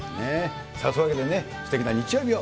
そういうわけでね、すてきな日曜日を！